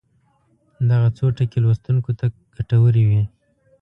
دغه څو ټکي لوستونکو ته ګټورې وي.